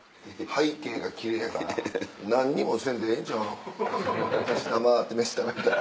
背景が奇麗やから何にもせんでええんちゃうの黙って飯食べたら。